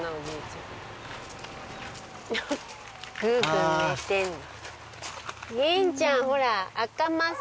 グーグー寝てんの。